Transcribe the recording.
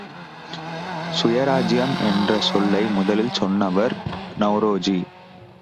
சுயராஜ்யம் என்றசொல்லை முதலில் சொன்னவர் நெளரோஜி!